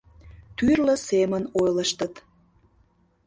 Тӱрлӧ семын ойлыштыт